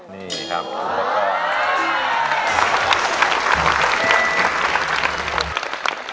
นี่ครับ